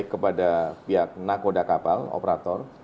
kepada pihak nakoda kapal operator